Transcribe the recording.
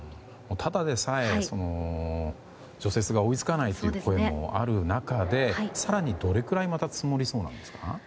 ただでさえ除雪が追い付かないという声もある中で更にまた、どれくらい積もりそうなんですか？